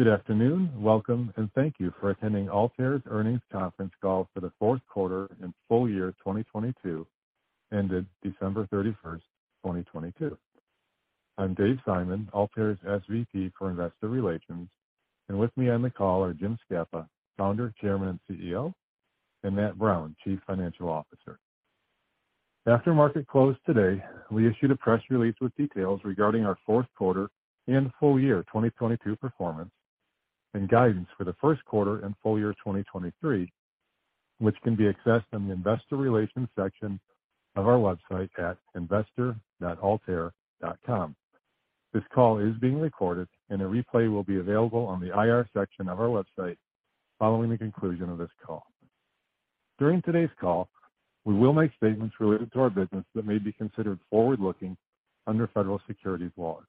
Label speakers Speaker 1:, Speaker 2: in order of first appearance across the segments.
Speaker 1: Good afternoon. Welcome, and thank you for attending Altair's Earnings Conference Call for the 4th quarter and full year 2022 ended December 31st, 2022. I'm Dave Simon, Altair's SVP for Investor Relations, and with me on the call are Jim Scapa, Founder, Chairman, and CEO, and Matt Brown, Chief Financial Officer. After market close today, we issued a press release with details regarding our 4th quarter and full year 2022 performance and guidance for the 1st quarter and full year 2023, which can be accessed on the Investor Relations section of our website at investor.altair.com. This call is being recorded, and a replay will be available on the IR section of our website following the conclusion of this call. During today's call, we will make statements related to our business that may be considered forward-looking under federal securities law.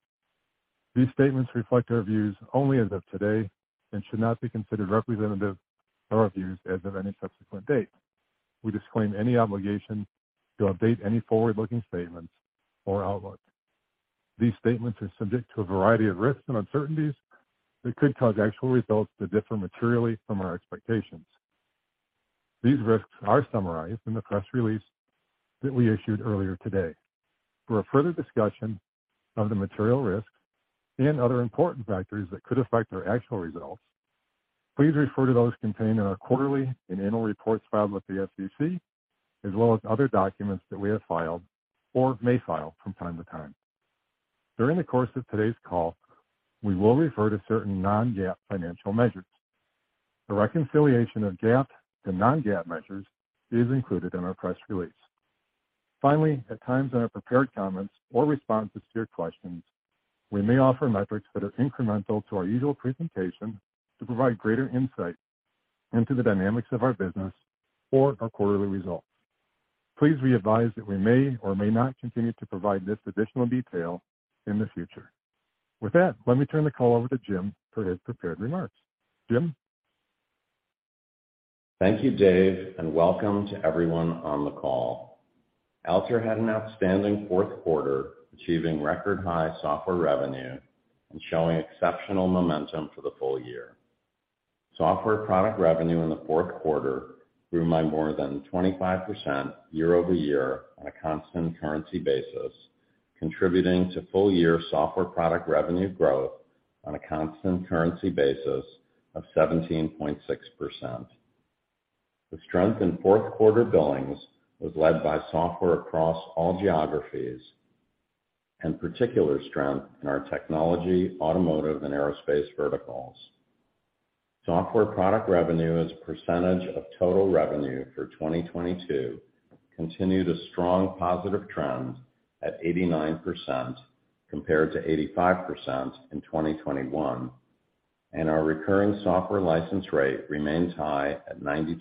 Speaker 1: These statements reflect our views only as of today and should not be considered representative of our views as of any subsequent date. We disclaim any obligation to update any forward-looking statements or outlook. These statements are subject to a variety of risks and uncertainties that could cause actual results to differ materially from our expectations. These risks are summarized in the press release that we issued earlier today. For a further discussion of the material risks and other important factors that could affect our actual results, please refer to those contained in our quarterly and annual reports filed with the SEC, as well as other documents that we have filed or may file from time to time. During the course of today's call, we will refer to certain non-GAAP financial measures. The reconciliation of GAAP to non-GAAP measures is included in our press release. Finally, at times in our prepared comments or responses to your questions, we may offer metrics that are incremental to our usual presentation to provide greater insight into the dynamics of our business or our quarterly results. Please be advised that we may or may not continue to provide this additional detail in the future. With that, let me turn the call over to Jim for his prepared remarks. Jim?
Speaker 2: Thank you, Dave, and welcome to everyone on the call. Altair had an outstanding fourth quarter, achieving record-high software revenue and showing exceptional momentum for the full-year. Software product revenue in the fourth quarter grew by more than 25% year-over-year on a constant currency basis, contributing to full-year software product revenue growth on a constant currency basis of 17.6%. The strength in fourth quarter billings was led by software across all geographies and particular strength in our technology, automotive, and aerospace verticals. Software product revenue as a percentage of total revenue for 2022 continued a strong positive trend at 89% compared to 85% in 2021, and our recurring software license rate remains high at 92%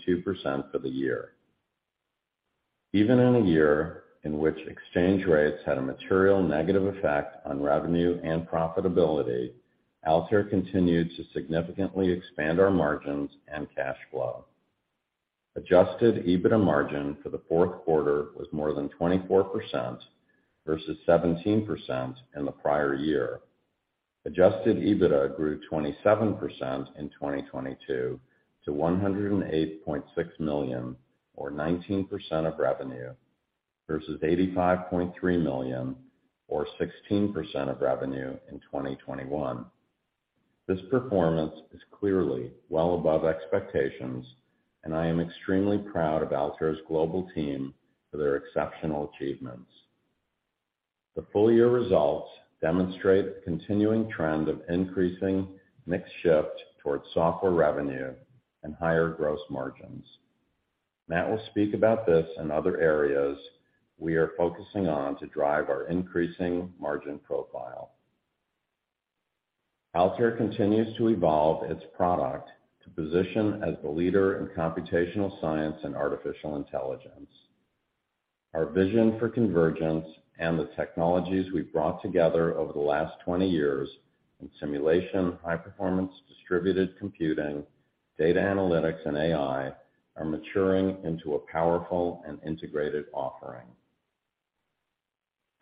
Speaker 2: for the year. Even in a year in which exchange rates had a material negative effect on revenue and profitability, Altair continued to significantly expand our margins and cash flow. Adjusted EBITDA margin for the fourth quarter was more than 24% versus 17% in the prior year. Adjusted EBITDA grew 27% in 2022 to $108.6 million or 19% of revenue versus $85.3 million or 16% of revenue in 2021. This performance is clearly well above expectations, and I am extremely proud of Altair's global team for their exceptional achievements. The full-year results demonstrate the continuing trend of increasing mix shift towards software revenue and higher gross margins. Matt will speak about this and other areas we are focusing on to drive our increasing margin profile. Altair continues to evolve its product to position as the leader in computational science and artificial intelligence. Our vision for convergence and the technologies we've brought together over the last 20 years in simulation, high-performance distributed computing, data analytics, and AI are maturing into a powerful and integrated offering.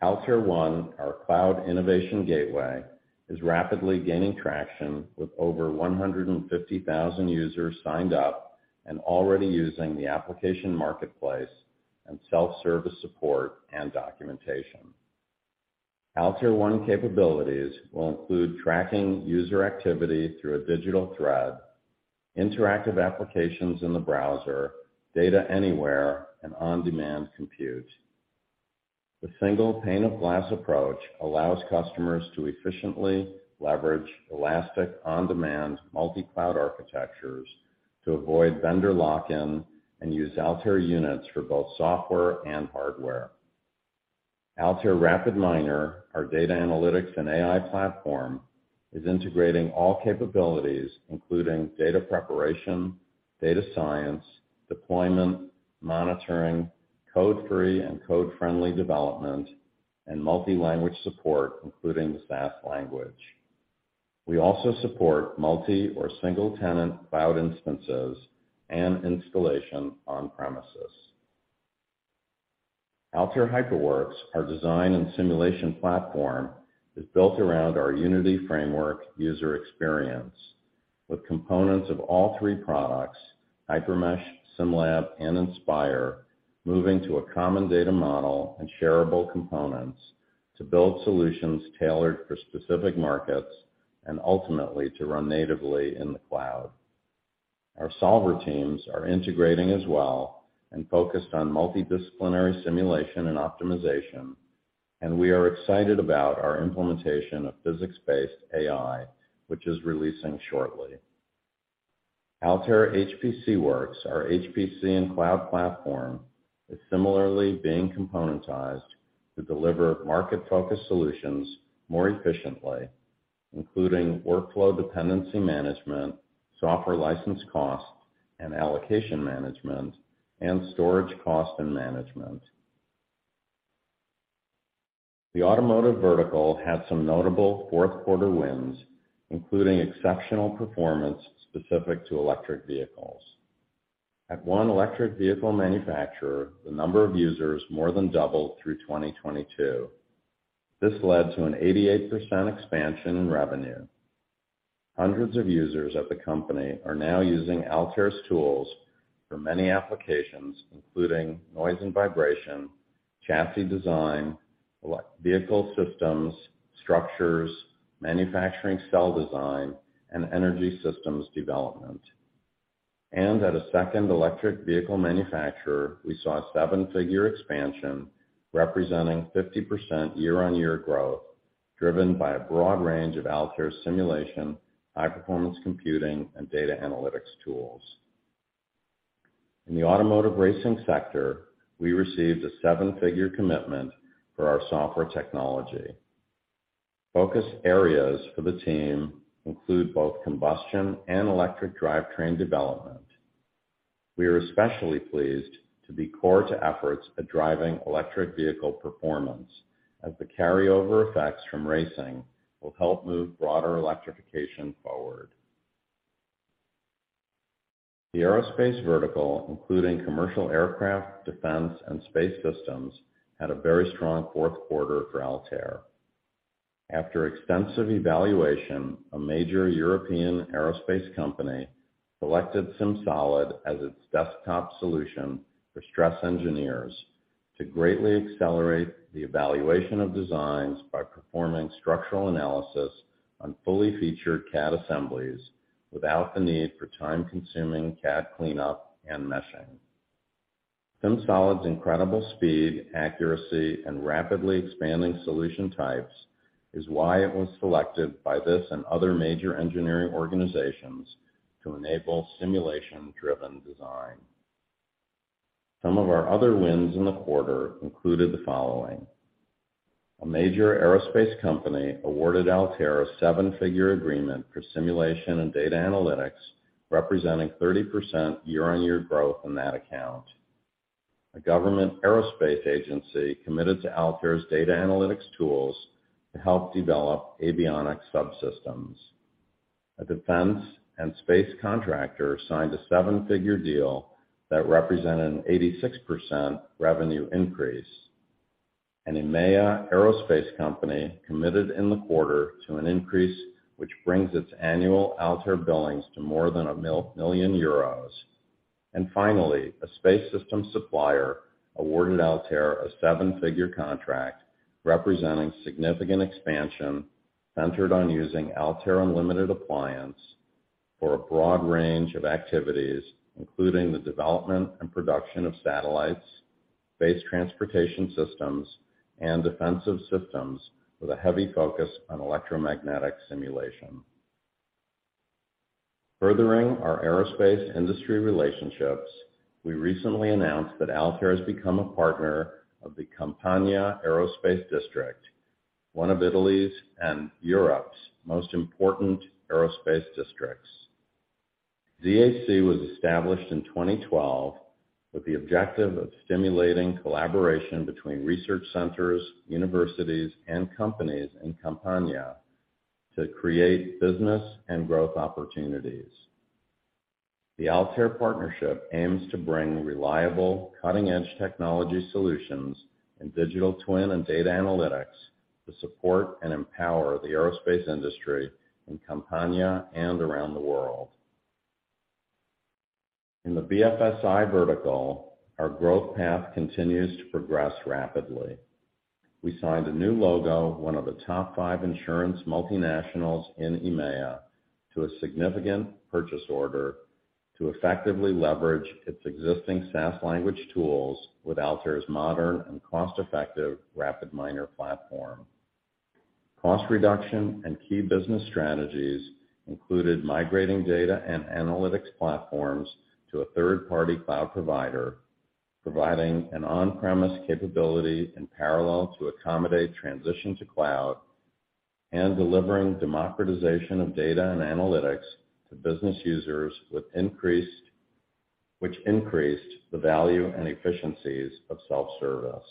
Speaker 2: Altair One, our cloud innovation gateway, is rapidly gaining traction with over 150,000 users signed up and already using the application marketplace and self-service support and documentation. Altair One capabilities will include tracking user activity through a digital thread, interactive applications in the browser, data anywhere, and on-demand compute. The single pane of glass approach allows customers to efficiently leverage elastic on-demand multi-cloud architectures to avoid vendor lock-in and use Altair Units for both software and hardware. Altair RapidMiner, our data analytics and AI platform, is integrating all capabilities, including data preparation, data science, deployment, monitoring, code-free and code-friendly development, and multi-language support, including the SAS language. We also support multi or single-tenant cloud instances and installation on premises. Altair HyperWorks, our design and simulation platform, is built around our Unity Framework user experience, with components of all three products, HyperMesh, SimLab, and Inspire, moving to a common data model and shareable components to build solutions tailored for specific markets and ultimately to run natively in the cloud. Our solver teams are integrating as well and focused on multidisciplinary simulation and optimization, and we are excited about our implementation of physics-based AI, which is releasing shortly. Altair HPCWorks, our HPC and cloud platform, is similarly being componentized to deliver market-focused solutions more efficiently, including workflow dependency management, software license costs and allocation management, and storage cost and management. The automotive vertical had some notable fourth-quarter wins, including exceptional performance specific to electric vehicles. At one electric vehicle manufacturer, the number of users more than doubled through 2022. This led to an 88% expansion in revenue. Hundreds of users at the company are now using Altair's tools for many applications, including noise and vibration, chassis design, vehicle systems, structures, manufacturing cell design, and energy systems development. At a second electric vehicle manufacturer, we saw a seven-figure expansion representing 50% year-on-year growth, driven by a broad range of Altair simulation, high-performance computing, and data analytics tools. In the automotive racing sector, we received a seven-figure commitment for our software technology. Focus areas for the team include both combustion and electric drivetrain development. We are especially pleased to be core to efforts at driving electric vehicle performance, as the carryover effects from racing will help move broader electrification forward. The aerospace vertical, including commercial aircraft, defense, and space systems, had a very strong fourth quarter for Altair. After extensive evaluation, a major European aerospace company selected SimSolid as its desktop solution for stress engineers to greatly accelerate the evaluation of designs by performing structural analysis on fully featured CAD assemblies without the need for time-consuming CAD cleanup and meshing. SimSolid's incredible speed, accuracy, and rapidly expanding solution types is why it was selected by this and other major engineering organizations to enable simulation-driven design. Some of our other wins in the quarter included the following. A major aerospace company awarded Altair a 7-figure agreement for simulation and data analytics representing 30% year-on-year growth in that account. A government aerospace agency committed to Altair's data analytics tools to help develop avionics subsystems. A defense and space contractor signed a seven figure deal that represented an 86% revenue increase. An EMEA aerospace company committed in the quarter to an increase which brings its annual Altair billings to more than 1 million euros. Finally, a space systems supplier awarded Altair a seven figure contract representing significant expansion centered on using Altair Unlimited Appliance for a broad range of activities, including the development and production of satellites, space transportation systems, and defensive systems with a heavy focus on electromagnetic simulation. Furthering our aerospace industry relationships, we recently announced that Altair has become a partner of the Campania Aerospace District, one of Italy's and Europe's most important aerospace districts. DAC was established in 2012 with the objective of stimulating collaboration between research centers, universities, and companies in Campania to create business and growth opportunities. The Altair partnership aims to bring reliable, cutting-edge technology solutions in digital twin and data analytics to support and empower the aerospace industry in Campania and around the world. In the BFSI vertical, our growth path continues to progress rapidly. We signed a new logo, one of the top five insurance multinationals in EMEA, to a significant purchase order to effectively leverage its existing SAS language tools with Altair's modern and cost-effective RapidMiner platform. Cost reduction and key business strategies included migrating data and analytics platforms to a third-party cloud provider, providing an on-premise capability in parallel to accommodate transition to cloud, and delivering democratization of data and analytics to business users which increased the value and efficiencies of self-service.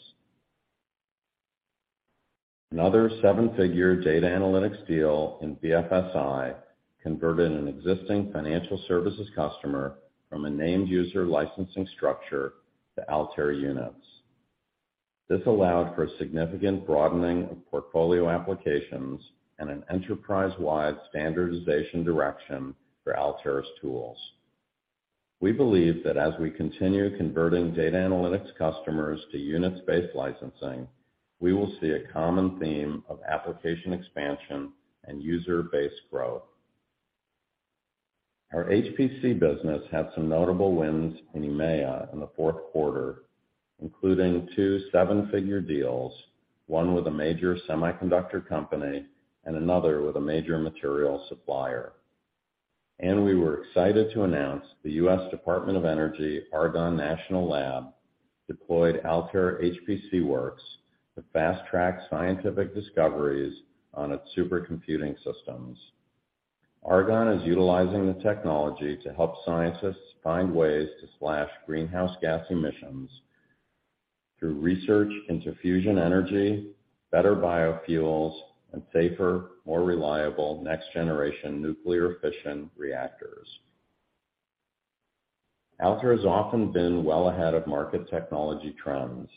Speaker 2: Another seven figure data analytics deal in BFSI converted an existing financial services customer from a named user licensing structure to Altair Units. This allowed for a significant broadening of portfolio applications and an enterprise-wide standardization direction for Altair's tools. We believe that as we continue converting data analytics customers to Units-based licensing, we will see a common theme of application expansion and user base growth. Our HPC business had some notable wins in EMEA in the fourth quarter, including two 7-figure deals, one with a major semiconductor company and another with a major material supplier. We were excited to announce the U.S. Department of Energy Argonne National Laboratory deployed Altair HPCWorks to fast-track scientific discoveries on its supercomputing systems. Argonne is utilizing the technology to help scientists find ways to slash greenhouse gas emissions through research into fusion energy, better biofuels, and safer, more reliable, next-generation nuclear fission reactors. Altair has often been well ahead of market technology trends.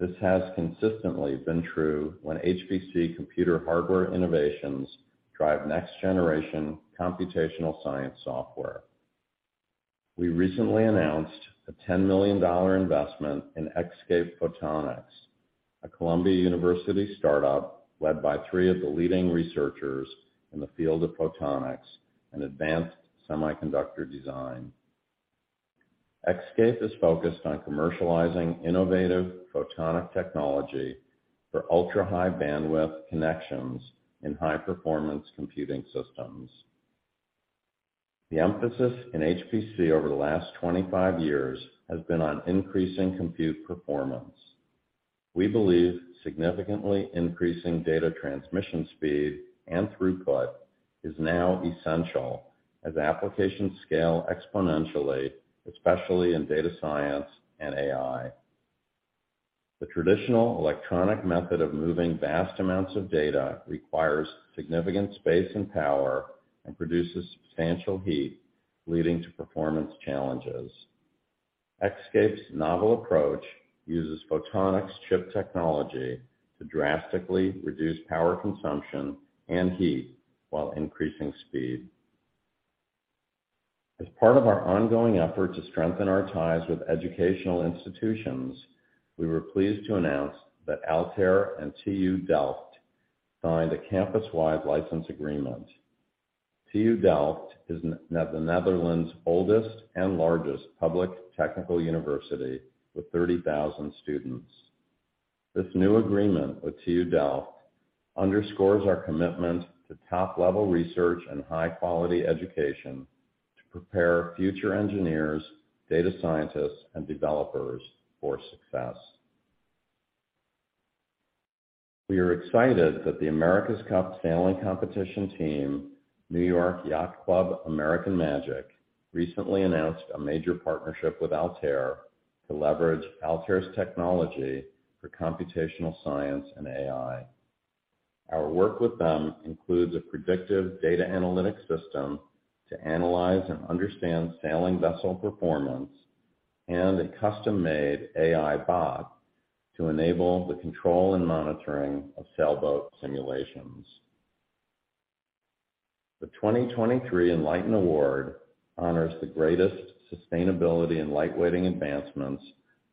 Speaker 2: This has consistently been true when HPC computer hardware innovations drive next-generation computational science software. We recently announced a $10 million investment in Xscape Photonics, a Columbia University startup led by three of the leading researchers in the field of photonics and advanced semiconductor design. Xscape is focused on commercializing innovative photonic technology for ultra-high bandwidth connections in high-performance computing systems. The emphasis in HPC over the last 25 years has been on increasing compute performance. We believe significantly increasing data transmission speed and throughput is now essential as applications scale exponentially, especially in data science and AI. The traditional electronic method of moving vast amounts of data requires significant space and power and produces substantial heat, leading to performance challenges. Xscape's novel approach uses photonics chip technology to drastically reduce power consumption and heat while increasing speed. As part of our ongoing effort to strengthen our ties with educational institutions, we were pleased to announce that Altair and TU Delft signed a campus-wide license agreement. TU Delft is the Netherlands' oldest and largest public technical university with 30,000 students. This new agreement with TU Delft underscores our commitment to top-level research and high-quality education to prepare future engineers, data scientists, and developers for success. We are excited that the America's Cup sailing competition team, New York Yacht Club American Magic, recently announced a major partnership with Altair to leverage Altair's technology for computational science and AI. Our work with them includes a predictive data analytics system to analyze and understand sailing vessel performance and a custom-made AI bot to enable the control and monitoring of sailboat simulations. The 2023 Enlighten Award honors the greatest sustainability and lightweighting advancements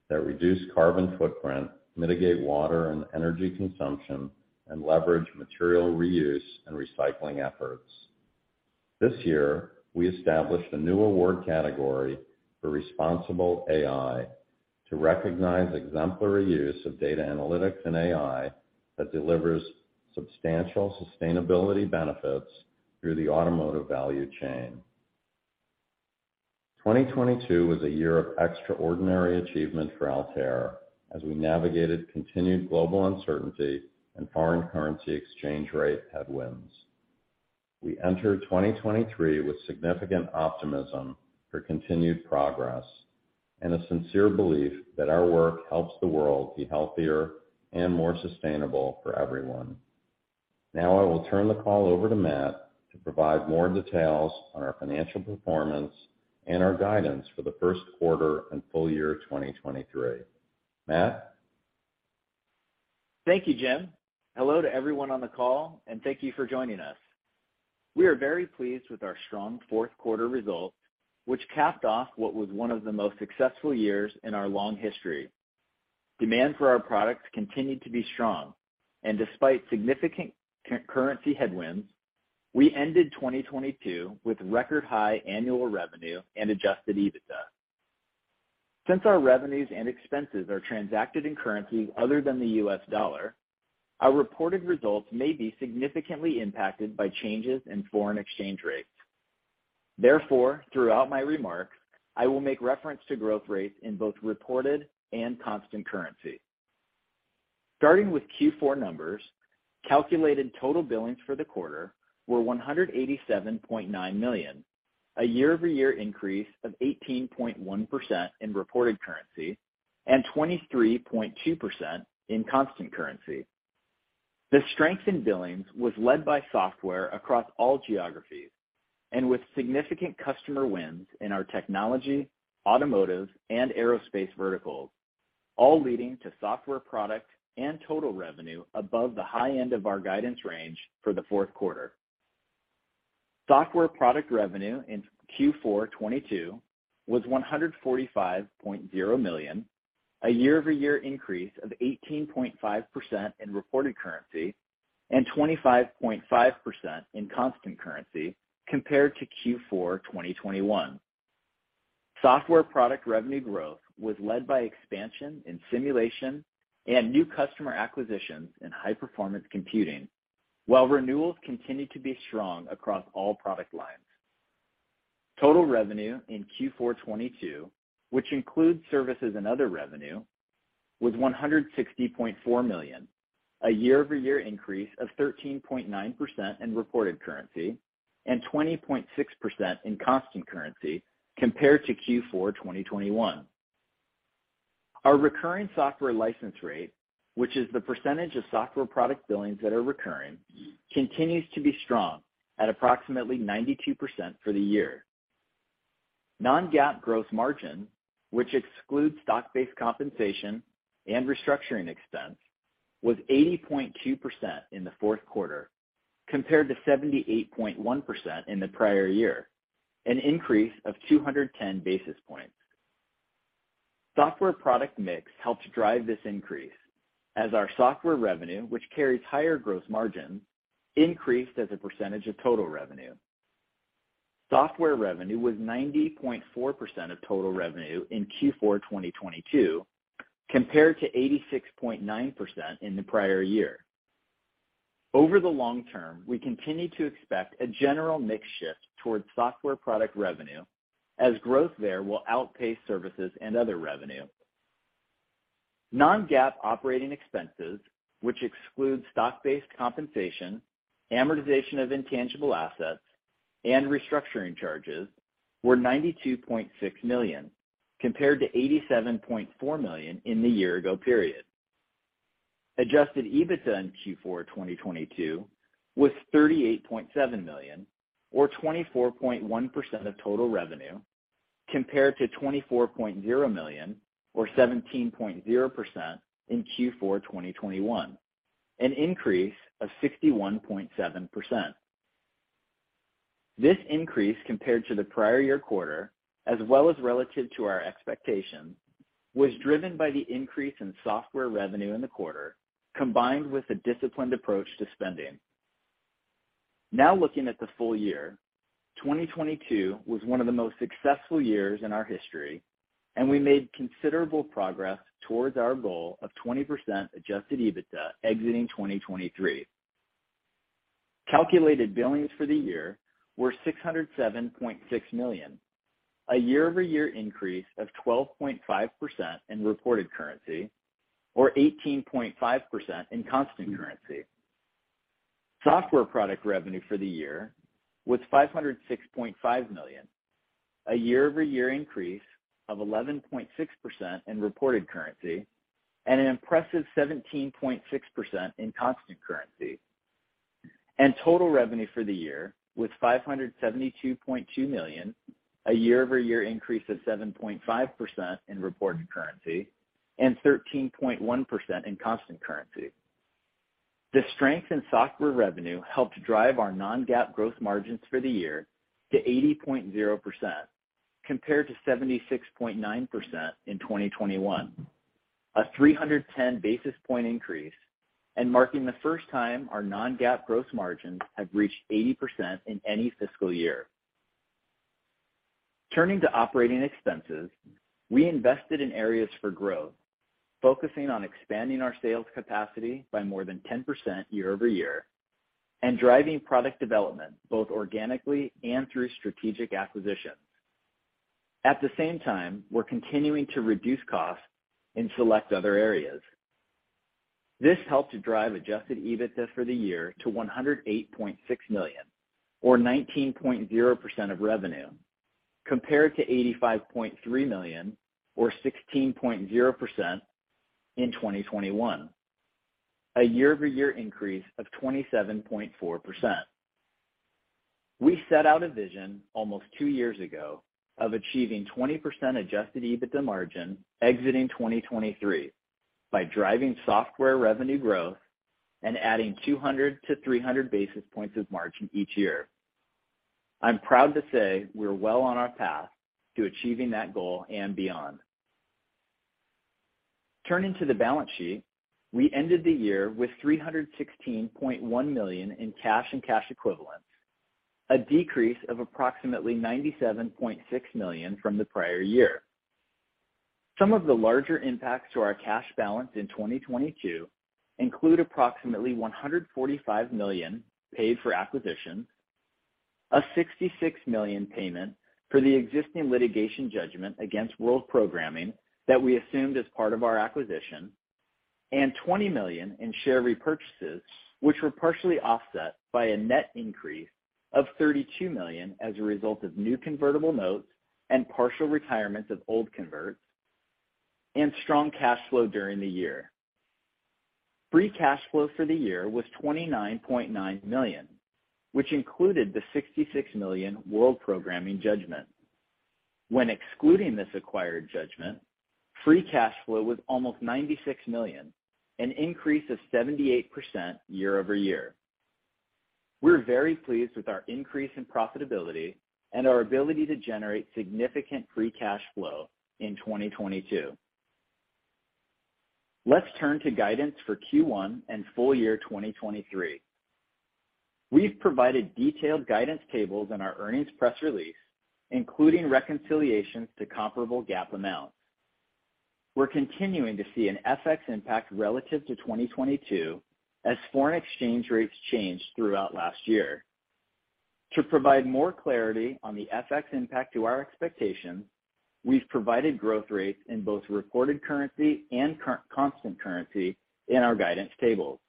Speaker 2: that reduce carbon footprint, mitigate water and energy consumption, and leverage material reuse and recycling efforts. This year, we established a new award category for responsible AI to recognize exemplary use of data analytics and AI that delivers substantial sustainability benefits through the automotive value chain. 2022 was a year of extraordinary achievement for Altair as we navigated continued global uncertainty and foreign currency exchange rate headwinds. We enter 2023 with significant optimism for continued progress and a sincere belief that our work helps the world be healthier and more sustainable for everyone. Now I will turn the call over to Matt to provide more details on our financial performance and our guidance for the first quarter and full year 2023. Matt?
Speaker 3: Thank you, Jim. Hello to everyone on the call, thank you for joining us. We are very pleased with our strong fourth quarter results, which capped off what was one of the most successful years in our long history. Demand for our products continued to be strong, despite significant currency headwinds, we ended 2022 with record high annual revenue and adjusted EBITDA. Since our revenues and expenses are transacted in currency other than the U.S. dollar, our reported results may be significantly impacted by changes in foreign exchange rates. Therefore, throughout my remarks, I will make reference to growth rates in both reported and constant currency. Starting with Q4 numbers-Calculated total billings for the quarter were $187.9 million, a year-over-year increase of 18.1% in reported currency and 23.2% in constant currency. The strength in billings was led by software across all geographies, with significant customer wins in our technology, automotive and aerospace verticals, all leading to software product and total revenue above the high end of our guidance range for the fourth quarter. Software product revenue in Q4 2022 was $145.0 million, a year-over-year increase of 18.5% in reported currency and 25.5% in constant currency compared to Q4 2021. Software product revenue growth was led by expansion in simulation and new customer acquisitions in high performance computing, while renewals continued to be strong across all product lines. Total revenue in Q4 2022, which includes services and other revenue, was $160.4 million, a year-over-year increase of 13.9% in reported currency and 20.6% in constant currency compared to Q4 2021. Our recurring software license rate, which is the percentage of software product billings that are recurring, continues to be strong at approximately 92% for the year. Non-GAAP gross margin, which excludes stock-based compensation and restructuring expense, was 80.2% in the fourth quarter, compared to 78.1% in the prior year, an increase of 210 basis points. Software product mix helped drive this increase as our software revenue, which carries higher gross margin, increased as a percentage of total revenue. Software revenue was 90.4% of total revenue in Q4 2022, compared to 86.9% in the prior year. Over the long term, we continue to expect a general mix shift towards software product revenue as growth there will outpace services and other revenue. Non-GAAP operating expenses, which excludes stock-based compensation, amortization of intangible assets and restructuring charges, were $92.6 million, compared to $87.4 million in the year ago period. Adjusted EBITDA in Q4 2022 was $38.7 million or 24.1% of total revenue, compared to $24.0 million or 17.0% in Q4 2021, an increase of 61.7%. This increase compared to the prior year quarter as well as relative to our expectations, was driven by the increase in software revenue in the quarter, combined with a disciplined approach to spending. Looking at the full year. 2022 was one of the most successful years in our history, and we made considerable progress towards our goal of 20% adjusted EBITDA exiting 2023. Calculated billings for the year were $607.6 million, a year-over-year increase of 12.5% in reported currency or 18.5% in constant currency. Software product revenue for the year was $506.5 million, a year-over-year increase of 11.6% in reported currency and an impressive 17.6% in constant currency. Total revenue for the year was $572.2 million, a year-over-year increase of 7.5% in reported currency and 13.1% in constant currency. The strength in software revenue helped drive our non-GAAP gross margins for the year to 80.0% compared to 76.9% in 2021, a 310 basis point increase and marking the first time our non-GAAP gross margins have reached 80% in any fiscal year. Turning to operating expenses, we invested in areas for growth, focusing on expanding our sales capacity by more than 10% year-over-year and driving product development both organically and through strategic acquisitions. At the same time, we're continuing to reduce costs in select other areas. This helped to drive adjusted EBITDA for the year to $108.6 million or 19.0% of revenue compared to $85.3 million or 16.0% in 2021. A year-over-year increase of 27.4%. We set out a vision almost two years ago of achieving 20% adjusted EBITDA margin exiting 2023 by driving software revenue growth and adding 200 to 300 basis points of margin each year. I'm proud to say we're well on our path to achieving that goal and beyond. Turning to the balance sheet. We ended the year with $316.1 million in cash and cash equivalents, a decrease of approximately $97.6 million from the prior year. Some of the larger impacts to our cash balance in 2022 include approximately $145 million paid for acquisitions. A $66 million payment for the existing litigation judgment against World Programming that we assumed as part of our acquisition and $20 million in share repurchases, which were partially offset by a net increase of $32 million as a result of new convertible notes and partial retirements of old converts and strong cash flow during the year. Free cash flow for the year was $29.9 million, which included the $66 million World Programming judgment. When excluding this acquired judgment, free cash flow was almost $96 million, an increase of 78% year-over-year. We're very pleased with our increase in profitability and our ability to generate significant free cash flow in 2022. Let's turn to guidance for Q1 and full year 2023. We've provided detailed guidance tables in our earnings press release, including reconciliations to comparable GAAP amounts. We're continuing to see an FX impact relative to 2022 as foreign exchange rates changed throughout last year. To provide more clarity on the FX impact to our expectations, we've provided growth rates in both reported currency and constant currency in our guidance tables.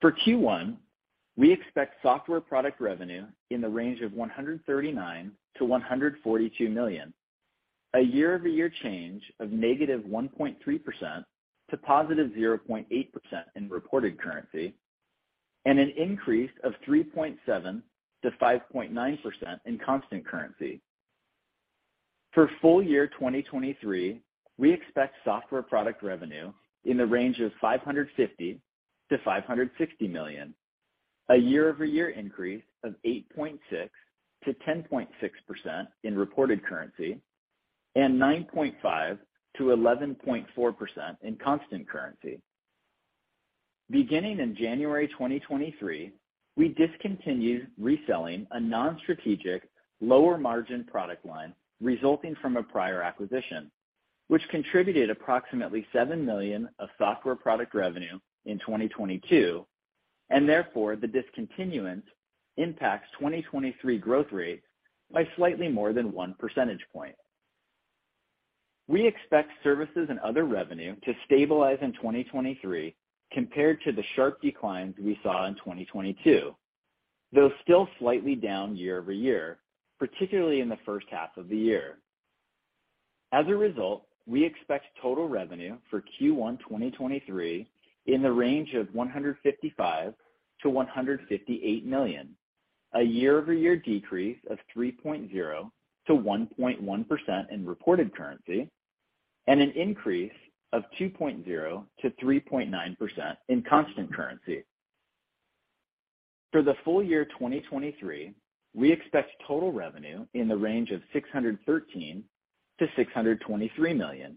Speaker 3: For Q1, we expect software product revenue in the range of $139 million-$142 million, a year-over-year change of -1.3% to +0.8% in reported currency, and an increase of 3.7%-5.9% in constant currency. For full year 2023, we expect software product revenue in the range of $550 million-$560 million, a year-over-year increase of 8.6%-10.6% in reported currency and 9.5%-11.4% in constant currency. Beginning in January 2023, we discontinued reselling a non-strategic lower margin product line resulting from a prior acquisition, which contributed approximately $7 million of software product revenue in 2022. Therefore, the discontinuance impacts 2023 growth rate by slightly more than 1 percentage point. We expect services and other revenue to stabilize in 2023 compared to the sharp declines we saw in 2022, though still slightly down year-over-year, particularly in the first half of the year. As a result, we expect total revenue for Q1 2023 in the range of $155 million-$158 million, a year-over-year decrease of 3.0%-1.1% in reported currency and an increase of 2.0%-3.9% in constant currency. For the full year 2023, we expect total revenue in the range of $613 million-$623 million,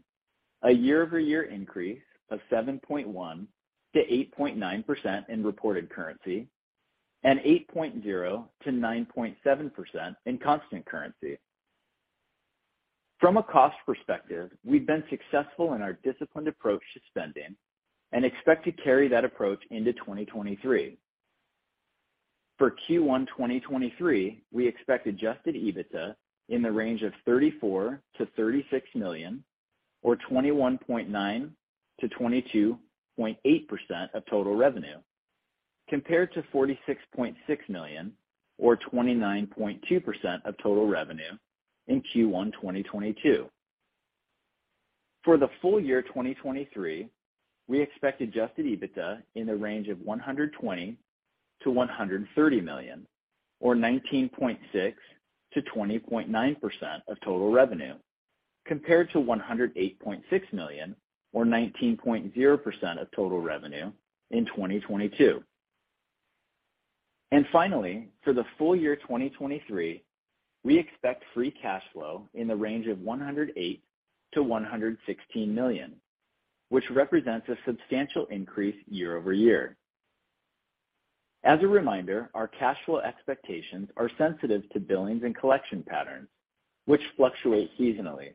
Speaker 3: a year-over-year increase of 7.1%-8.9% in reported currency and 8.0%-9.7% in constant currency. From a cost perspective, we've been successful in our disciplined approach to spending and expect to carry that approach into 2023. For Q1 2023, we expect adjusted EBITDA in the range of $34 million-$36 million or 21.9%-22.8% of total revenue, compared to $46.6 million or 29.2% of total revenue in Q1 2022. For the full year 2023, we expect adjusted EBITDA in the range of $120 million-$130 million or 19.6%-20.9% of total revenue, compared to $108.6 million or 19.0% of total revenue in 2022. Finally, for the full year 2023, we expect free cash flow in the range of $108 million-$116 million, which represents a substantial increase year-over-year. As a reminder, our cash flow expectations are sensitive to billings and collection patterns, which fluctuate seasonally.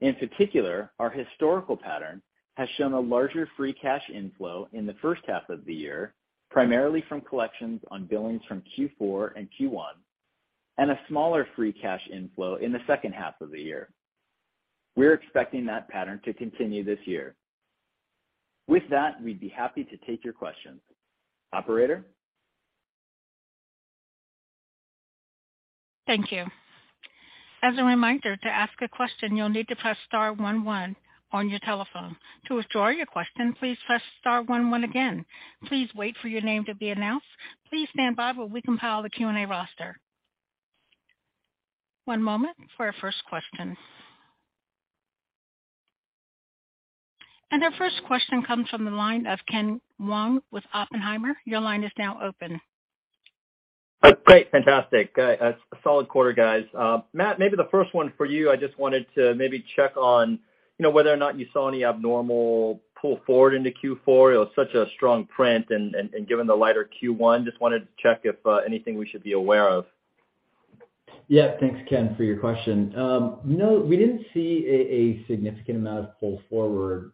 Speaker 3: In particular, our historical pattern has shown a larger free cash inflow in the first half of the year, primarily from collections on billings from Q4 and Q1, and a smaller free cash inflow in the second half of the year. We're expecting that pattern to continue this year. With that, we'd be happy to take your questions. Operator?
Speaker 4: Thank you. As a reminder, to ask a question, you'll need to press star one one on your telephone. To withdraw your question, please press star one one again. Please wait for your name to be announced. Please stand by while we compile the Q&A roster. One moment for our first question. Our first question comes from the line of Ken Wong with Oppenheimer. Your line is now open.
Speaker 5: Great. Fantastic. A solid quarter, guys. Matt, maybe the first one for you. I just wanted to maybe check on, you know, whether or not you saw any abnormal pull forward into Q4. It was such a strong print and given the lighter Q1, just wanted to check if anything we should be aware of?
Speaker 3: Yeah. Thanks, Ken, for your question. No, we didn't see a significant amount of pull forward,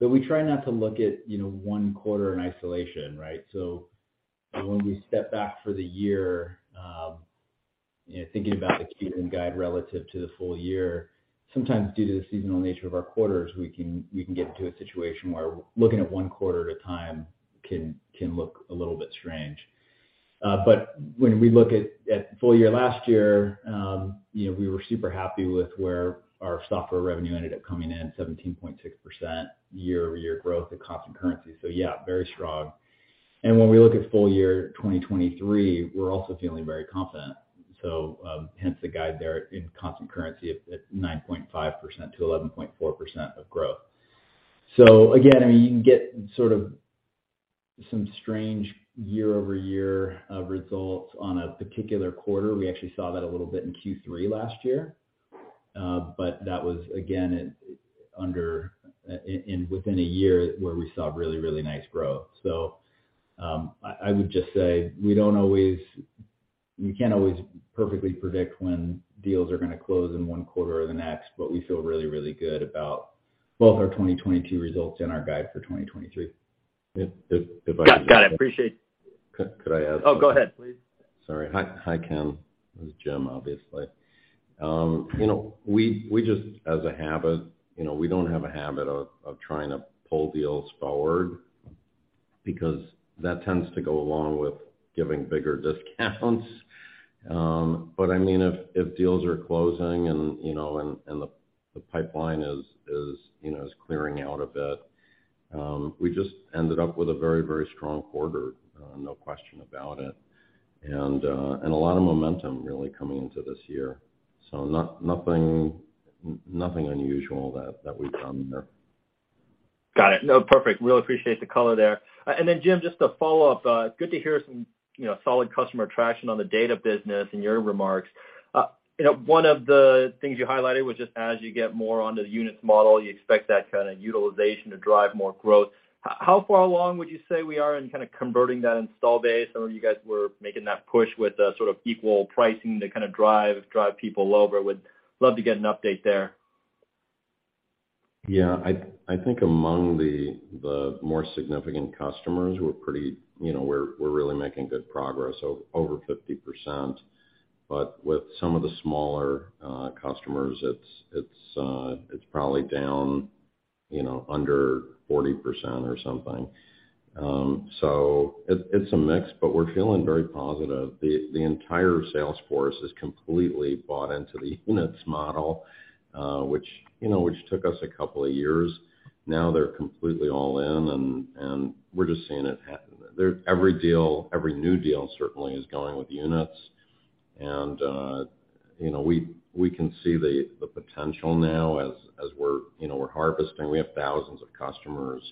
Speaker 3: but we try not to look at, you know, one quarter in isolation, right? When we step back for the year, you know, thinking about the Q guide relative to the full year, sometimes due to the seasonal nature of our quarters, we can get to a situation where looking at one quarter at a time can look a little bit strange. When we look at full year last year, you know, we were super happy with where our software revenue ended up coming in 17.6% year-over-year growth at constant currency. Yeah, very strong. When we look at full year 2023, we're also feeling very confident. Hence the guide there in constant currency at 9.5%-11.4% of growth. Again, I mean, you can get sort of some strange year-over-year results on a particular quarter. We actually saw that a little bit in Q3 last year. That was again, within a year where we saw really, really nice growth. I would just say we don't always... We can't always perfectly predict when deals are gonna close in one quarter or the next, but we feel really, really good about both our 2022 results and our guide for 2023. If I could-
Speaker 5: Got it. Appreciate.
Speaker 2: Could I add something please?
Speaker 5: Oh, go ahead.
Speaker 2: Sorry. Hi. Hi, Ken. This is Jim, obviously. you know, we just as a habit, you know, we don't have a habit of trying to pull deals forward because that tends to go along with giving bigger discounts. I mean, if deals are closing and, you know, and the pipeline is, you know, is clearing out a bit, we just ended up with a very strong quarter, no question about it. A lot of momentum really coming into this year. nothing unusual that we've done there.
Speaker 5: Got it. No. Perfect. Really appreciate the color there. Jim, just to follow up, good to hear some, you know, solid customer traction on the data business in your remarks. You know, one of the things you highlighted was just as you get more onto the Units model, you expect that kind of utilization to drive more growth. How far along would you say we are in kind of converting that install base? I know you guys were making that push with the sort of equal pricing to kind of drive people over. Would love to get an update there.
Speaker 2: Yeah. I think among the more significant customers, we're pretty, you know, we're really making good progress, over 50%. With some of the smaller customers, it's probably down, you know, under 40% or something. It's a mix, but we're feeling very positive. The entire sales force has completely bought into the Units model, which, you know, took us a couple of years. Now they're completely all in and we're just seeing it. Every deal, every new deal certainly is going with Units. You know, we can see the potential now as we're, you know, harvesting. We have thousands of customers,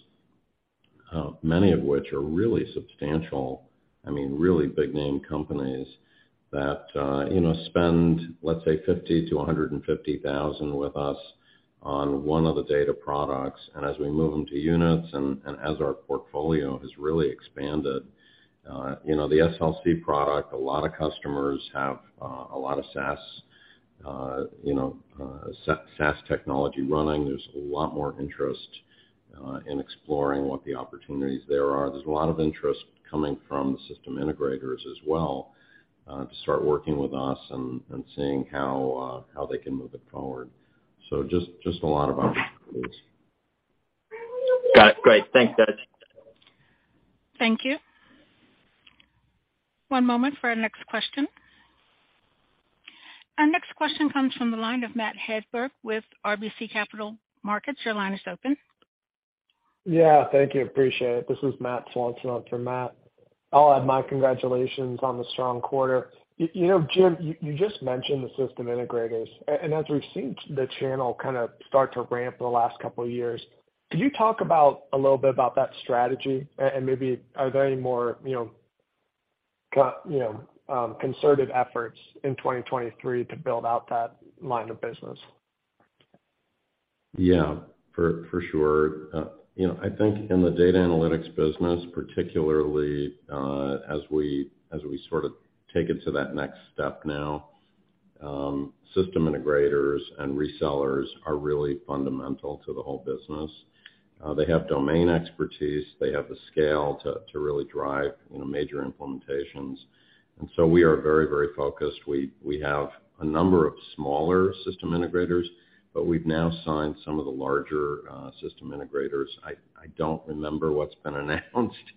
Speaker 2: many of which are really substantial, I mean, really big name companies that, you know, spend, let's say, $50,000-$150,000 with us on one of the data products. As we move them to units and as our portfolio has really expanded, you know, the SLC product, a lot of customers have a lot of SaaS, you know, SaaS technology running. There's a lot more interest in exploring what the opportunities there are. There's a lot of interest coming from the system integrators as well, to start working with us and seeing how how they can move it forward. Just a lot of opportunities.
Speaker 5: Got it. Great. Thanks, guys.
Speaker 4: Thank you. One moment for our next question. Our next question comes from the line of Matt Hedberg with RBC Capital Markets. Your line is open.
Speaker 6: Yeah, thank you. Appreciate it. This is Matt Swanson for Matt. I'll add my congratulations on the strong quarter. You know, Jim, you just mentioned the system integrators. As we've seen the channel kind of start to ramp the last couple of years, could you talk a little bit about that strategy? Maybe are there any more, you know, concerted efforts in 2023 to build out that line of business?
Speaker 2: Yeah, for sure. You know, I think in the data analytics business, particularly, as we sort of take it to that next step now, system integrators and resellers are really fundamental to the whole business. They have domain expertise. They have the scale to really drive, you know, major implementations. We are very, very focused. We have a number of smaller system integrators, but we've now signed some of the larger system integrators. I don't remember what's been announced,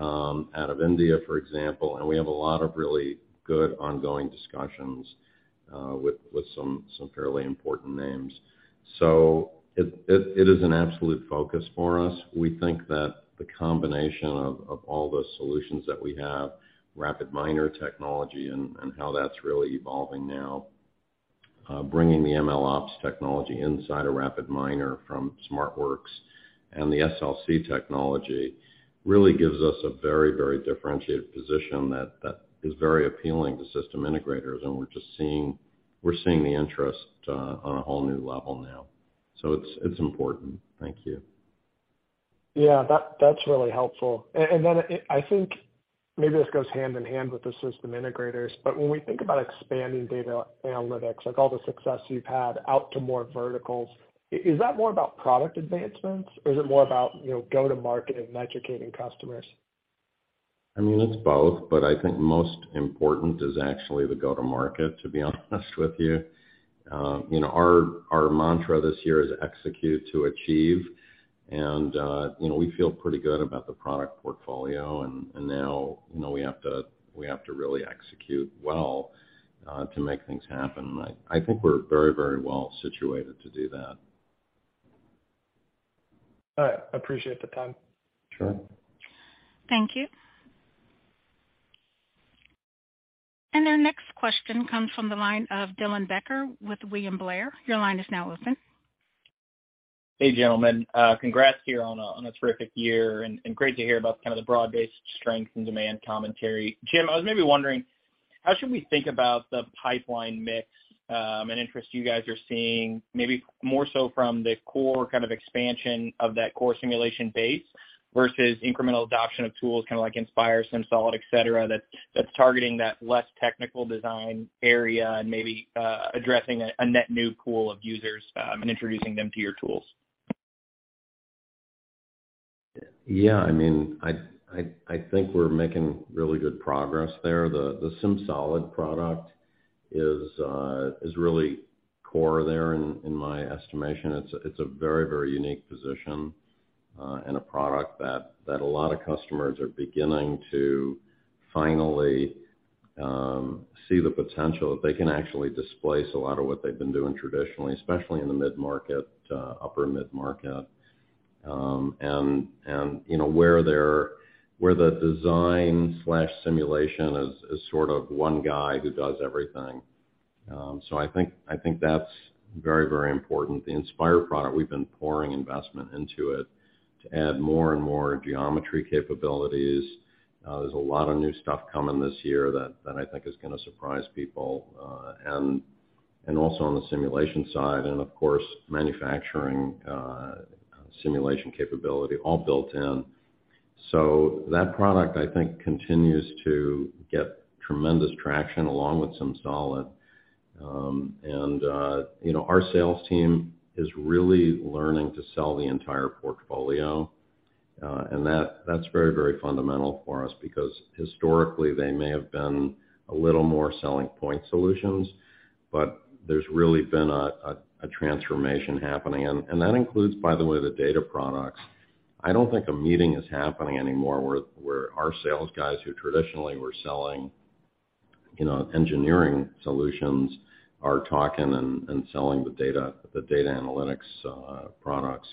Speaker 2: out of India, for example. We have a lot of really good ongoing discussions, with some fairly important names. It is an absolute focus for us. We think that the combination of all the solutions that we have, RapidMiner technology and how that's really evolving now, bringing the MLOps technology inside of RapidMiner from SmartWorks and the SLC technology really gives us a very, very differentiated position that is very appealing to system integrators, and we're seeing the interest on a whole new level now. It's important. Thank you.
Speaker 6: Yeah, that's really helpful. Then I think maybe this goes hand in hand with the system integrators, but when we think about expanding data analytics, like all the success you've had out to more verticals, is that more about product advancements or is it more about, you know, go-to-market and educating customers?
Speaker 2: I mean, it's both, but I think most important is actually the go-to-market, to be honest with you. You know, our mantra this year is execute to achieve. You know, we feel pretty good about the product portfolio. Now, you know, we have to really execute well to make things happen. I think we're very well situated to do that.
Speaker 6: All right. Appreciate the time.
Speaker 2: Sure.
Speaker 4: Thank you. Our next question comes from the line of Dylan Becker with William Blair. Your line is now open.
Speaker 7: gentlemen. congrats here on a, on a terrific year and great to hear about kind of the broad-based strength and demand commentary. Jim, I was maybe wondering how should we think about the pipeline mix, and interest you guys are seeing maybe more so from the core kind of expansion of that core simulation base versus incremental adoption of tools kinda like Inspire, SimSolid, et cetera, that's targeting that less technical design area and maybe addressing a net new pool of users, and introducing them to your tools?
Speaker 2: I mean, I think we're making really good progress there. The SimSolid product is really core there in my estimation. It's a very, very unique position and a product that a lot of customers are beginning to finally see the potential that they can actually displace a lot of what they've been doing traditionally, especially in the mid-market, upper mid-market. And, you know, where the design/simulation is sort of one guy who does everything. I think that's very, very important. The Inspire product, we've been pouring investment into it to add more and more geometry capabilities. There's a lot of new stuff coming this year that I think is gonna surprise people, and also on the simulation side and of course, manufacturing simulation capability all built in. That product, I think, continues to get tremendous traction along with SimSolid. You know, our sales team is really learning to sell the entire portfolio. That's very, very fundamental for us because historically they may have been a little more selling point solutions, but there's really been a transformation happening. That includes, by the way, the data products. I don't think a meeting is happening anymore where our sales guys who traditionally were selling, you know, engineering solutions are talking and selling the data, the data analytics products.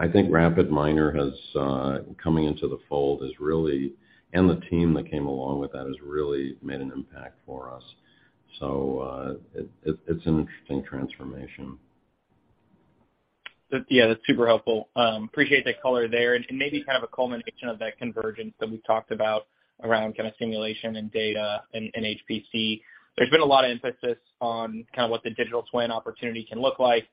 Speaker 2: I think RapidMiner has coming into the fold has really...The team that came along with that has really made an impact for us. It's an interesting transformation.
Speaker 7: That's super helpful. Appreciate that color there. Maybe kind of a culmination of that convergence that we've talked about around kind of simulation and data and HPC. There's been a lot of emphasis on kind of what the digital twin opportunity can look like.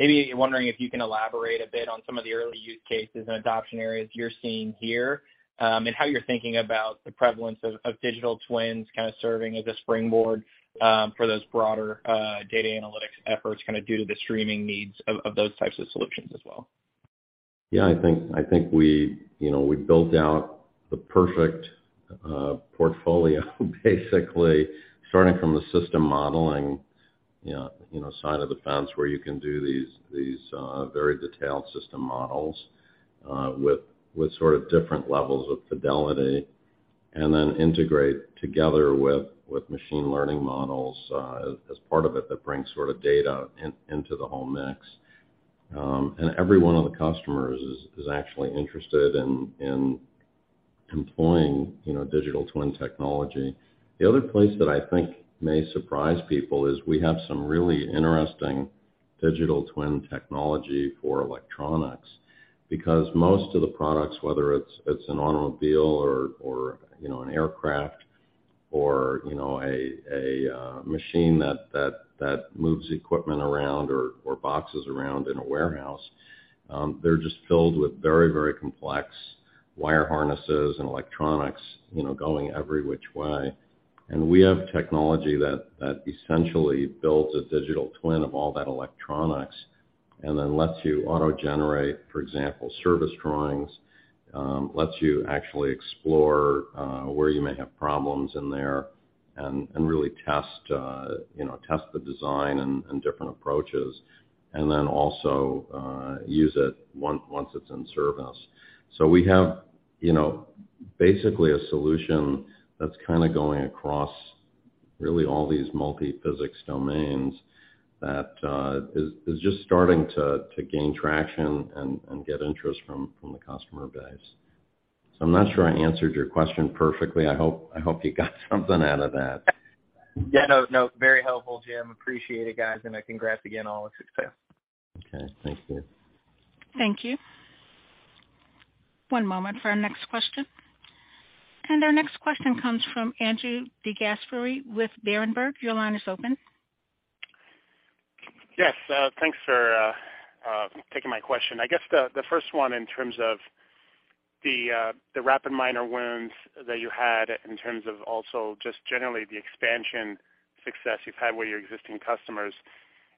Speaker 7: Wondering if you can elaborate a bit on some of the early use cases and adoption areas you're seeing here, and how you're thinking about the prevalence of digital twins kind of serving as a springboard for those broader data analytics efforts kind of due to the streaming needs of those types of solutions as well.
Speaker 2: Yeah, I think we, you know, we built out the perfect portfolio basically starting from the system modeling, you know, side of the fence, where you can do these very detailed system models with sort of different levels of fidelity, and then integrate together with machine learning models as part of it that brings sort of data into the whole mix. Every one of the customers is actually interested in employing, you know, digital twin technology. The other place that I think may surprise people is we have some really interesting digital twin technology for electronics. Because most of the products, whether it's an automobile or, you know, an aircraft or, you know, a machine that moves equipment around or boxes around in a warehouse, they're just filled with very, very complex wire harnesses and electronics, you know, going every which way. We have technology that essentially builds a digital twin of all that electronics and then lets you auto-generate, for example, service drawings, lets you actually explore where you may have problems in there and really test, you know, test the design and different approaches, and then also use it once it's in service. We have, you know, basically a solution that's kind of going across really all these multiphysics domains that is just starting to gain traction and get interest from the customer base. I'm not sure I answered your question perfectly. I hope you got something out of that.
Speaker 7: Yeah. No, no, very helpful, Jim. Appreciate it, guys, and congrats again on all the success.
Speaker 2: Okay. Thanks, Dylan.
Speaker 4: Thank you. One moment for our next question. Our next question comes from Andrew DeGasperi with Berenberg. Your line is open.
Speaker 8: Yes. Thanks for taking my question. I guess the first one in terms of the RapidMiner wins that you had in terms of also just generally the expansion success you've had with your existing customers,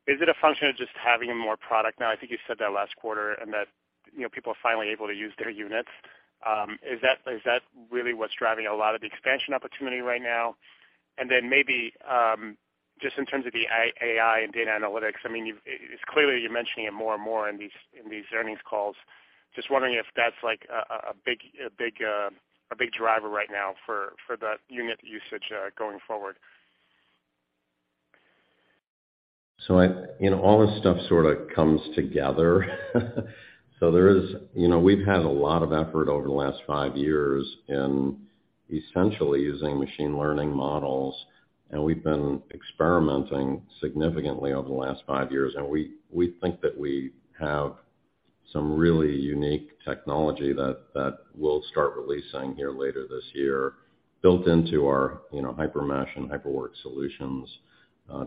Speaker 8: is it a function of just having more product now? I think you said that last quarter and that, you know, people are finally able to use their units. Is that really what's driving a lot of the expansion opportunity right now? Then maybe, just in terms of the AI and data analytics, I mean, it's clearly you're mentioning it more and more in these, in these earnings calls. Just wondering if that's like a big driver right now for that unit usage going forward.
Speaker 2: I, you know, all this stuff sort of comes together. There is. You know, we've had a lot of effort over the last five years in essentially using machine learning models, and we've been experimenting significantly over the last five years. We think that we have some really unique technology that we'll start releasing here later this year, built into our, you know, HyperMesh and HyperWorks solutions,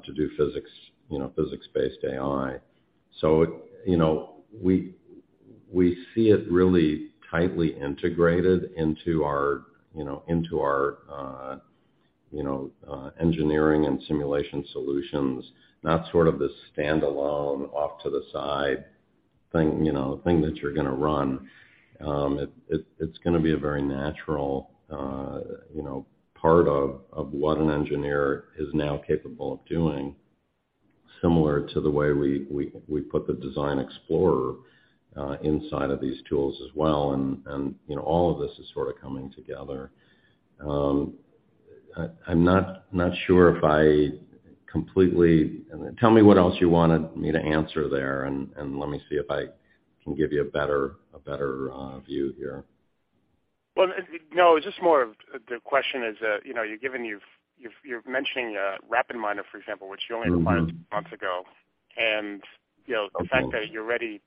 Speaker 2: to do physics, you know, physics-based AI. You know, we see it really tightly integrated into our, you know, into our, you know, engineering and simulation solutions, not sort of the standalone off to the side thing, you know, thing that you're gonna run. It's gonna be a very natural, you know, part of what an engineer is now capable of doing, similar to the way we put the Design Explorer, inside of these tools as well. You know, all of this is sort of coming together. I'm not sure if I completely... Tell me what else you wanted me to answer there, and let me see if I can give you a better view here.
Speaker 8: Well, no, it's just more of the question is, you know, you've mentioning, RapidMiner, for example, which you only acquired months ago.
Speaker 2: Mm-hmm.
Speaker 8: You know, the fact that you're already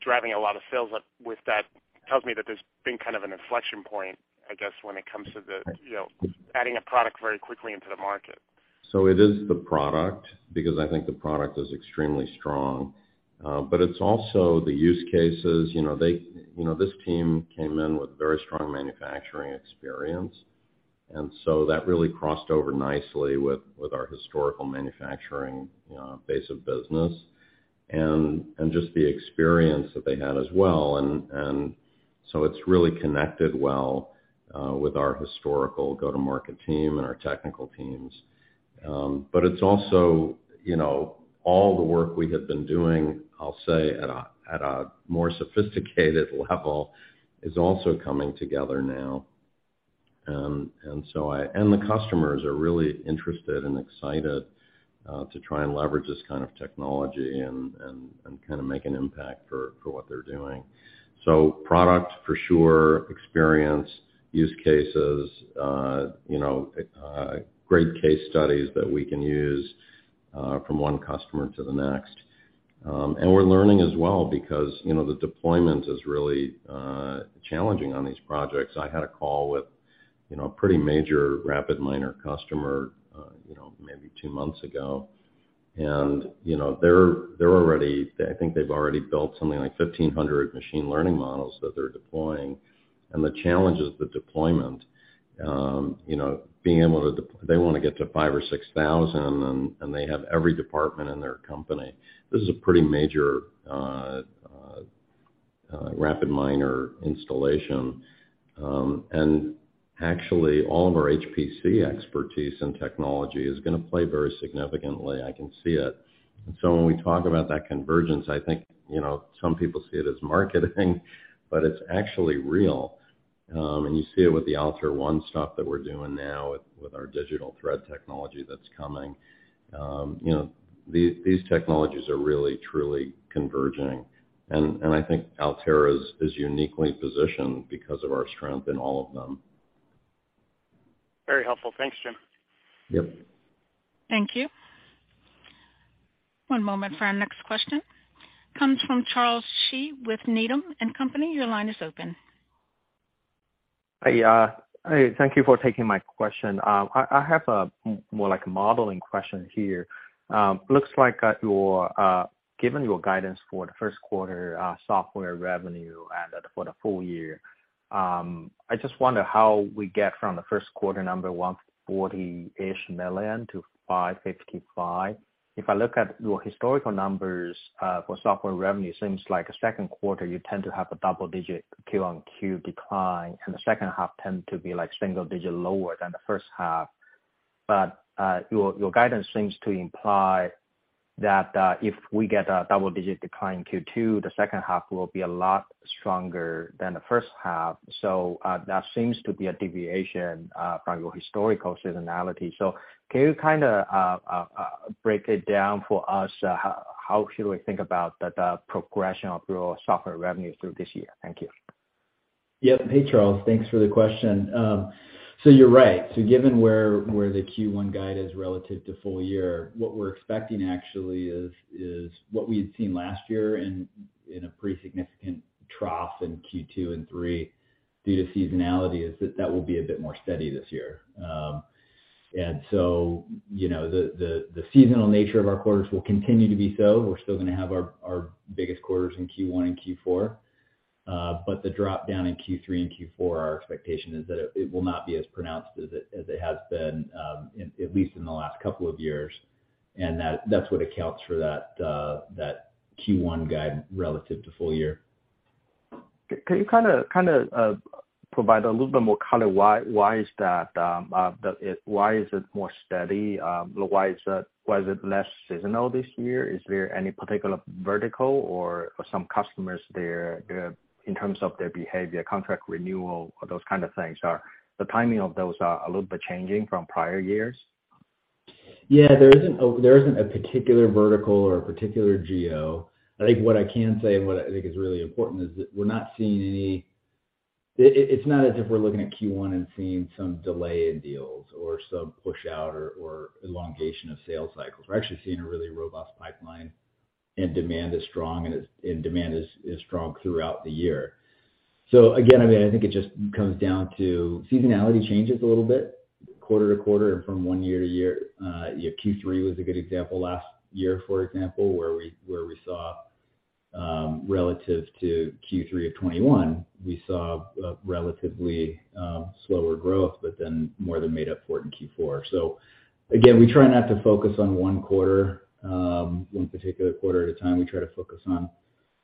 Speaker 8: driving a lot of sales with that tells me that there's been kind of an inflection point, I guess, when it comes to the, you know, adding a product very quickly into the market.
Speaker 2: It is the product because I think the product is extremely strong. It's also the use cases. You know, this team came in with very strong manufacturing experience, that really crossed over nicely with our historical manufacturing, base of business and just the experience that they had as well. It's really connected well with our historical go-to-market team and our technical teams. It's also, you know, all the work we have been doing, I'll say, at a, at a more sophisticated level is also coming together now. The customers are really interested and excited to try and leverage this kind of technology and kind of make an impact for what they're doing. Product for sure, experience, use cases, great case studies that we can use from one customer to the next. We're learning as well because the deployment is really challenging on these projects. I had a call with a pretty major RapidMiner customer maybe two months ago. I think they've already built something like 1,500 machine learning models that they're deploying. The challenge is the deployment. They wanna get to 5,000 or 6,000, and they have every department in their company. This is a pretty major RapidMiner installation. Actually, all of our HPC expertise and technology is gonna play very significantly. I can see it. When we talk about that convergence, I think, you know, some people see it as marketing, but it's actually real. You see it with the Altair One stop that we're doing now with our digital thread technology that's coming. You know, these technologies are really truly converging. I think Altair is uniquely positioned because of our strength in all of them.
Speaker 8: Very helpful. Thanks, Jim.
Speaker 2: Yep.
Speaker 4: Thank you. One moment for our next question. Comes from Charles Shi with Needham & Company. Your line is open.
Speaker 9: Hi. Thank you for taking my question. I have a more like a modeling question here. Looks like, given your guidance for the first quarter software revenue and for the full year, I just wonder how we get from the first quarter number $140-ish million to $555 million. If I look at your historical numbers for software revenue, seems like second quarter you tend to have a double-digit Q on Q decline, and the second half tend to be like single-digit lower than the first half. Your guidance seems to imply that if we get a double-digit decline Q2, the second half will be a lot stronger than the first half. That seems to be a deviation from your historical seasonality. Can you kinda break it down for us, how should we think about the progression of your software revenue through this year? Thank you.
Speaker 2: Yep. Hey, Charles. Thanks for the question. You're right. Given where the Q1 guide is relative to full year, what we're expecting actually is what we had seen last year in a pretty significant trough in Q2 and three.
Speaker 3: Due to seasonality is that that will be a bit more steady this year. you know, the, the seasonal nature of our quarters will continue to be so. We're still gonna have our biggest quarters in Q1 and Q4. The drop down in Q3 and Q4, our expectation is that it will not be as pronounced as it has been, at least in the last couple of years, and that's what accounts for that Q1 guide relative to full year.
Speaker 9: Could you kinda provide a little bit more color why is that why is it more steady? Why is it less seasonal this year? Is there any particular vertical or some customers there in terms of their behavior, contract renewal or those kind of things the timing of those are a little bit changing from prior years?
Speaker 3: Yeah, there isn't a particular vertical or a particular geo. I think what I can say, and what I think is really important, is that we're not seeing any. It's not as if we're looking at Q1 and seeing some delay in deals or some pushout or elongation of sales cycles. We're actually seeing a really robust pipeline and demand is strong, and demand is strong throughout the year. Again, I mean, I think it just comes down to seasonality changes a little bit quarter to quarter and from one year to year. You know, Q3 was a good example last year, for example, where we saw relative to Q3 of 2021, we saw a relatively slower growth, more than made up for it in Q4. Again, we try not to focus on one quarter, one particular quarter at a time. We try to focus on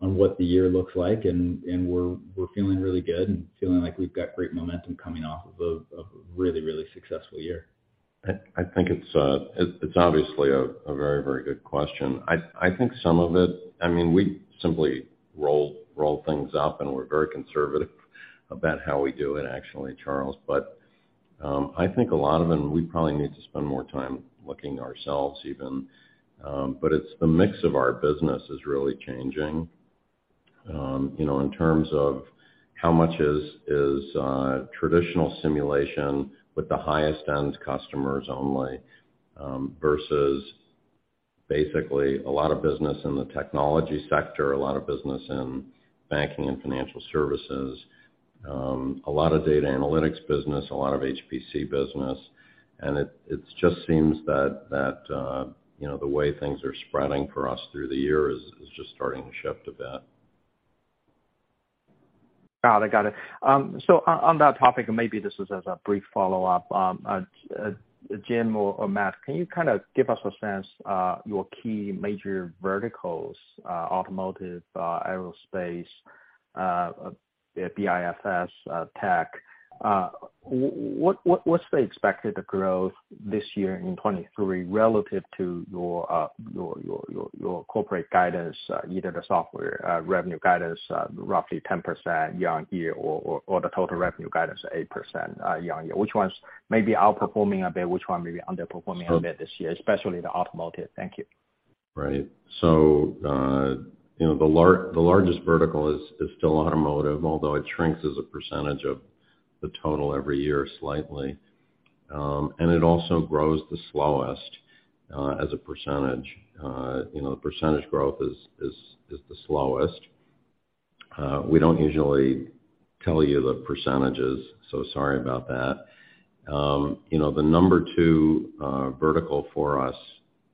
Speaker 3: what the year looks like and we're feeling really good and feeling like we've got great momentum coming off of a really successful year.
Speaker 2: I think it's obviously a very good question. I think some of it. I mean, we simply roll things up, and we're very conservative about how we do it actually, Charles. I think a lot of it, and we probably need to spend more time looking ourselves even, but it's the mix of our business is really changing. You know, in terms of how much is traditional simulation with the highest end customers only, versus basically a lot of business in the technology sector, a lot of business in banking and financial services, a lot of data analytics business, a lot of HPC business. It's just seems that, you know, the way things are spreading for us through the year is just starting to shift a bit.
Speaker 9: Got it. Got it. On that topic, and maybe this is as a brief follow-up, Jim or Matt, can you kind of give us a sense, your key major verticals, automotive, aerospace, BFSI, tech. What's the expected growth this year in 2023 relative to your corporate guidance, either the software revenue guidance, roughly 10% year-over-year or the total revenue guidance of 8% year-over-year? Which ones may be outperforming a bit? Which one may be underperforming a bit this year, especially the automotive? Thank you.
Speaker 2: Right. You know, the largest vertical is still automotive, although it shrinks as a percentage of the total every year slightly. It also grows the slowest as a percentage. You know, the percentage growth is the slowest. We don't usually tell you the percentages, so sorry about that. You know, the number 2 vertical for us